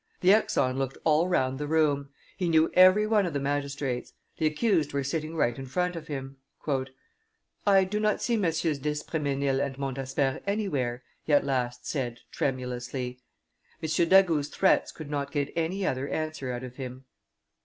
The exon looked all round the room; he knew every one of the magistrates; the accused were sitting right in front of him. "I do not see MM. d'Espremesnil and Montsabert anywhere," he at last said, tremulously. M. d'Agoult's threats could not get any other answer out of him.